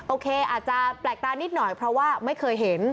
โอเคอาจจะแปลกตานิดหน่อยเพราะว่าไม่เคยเห็น